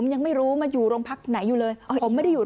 สองสามีภรรยาคู่นี้มีอาชีพ